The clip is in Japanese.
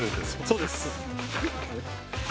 そうです。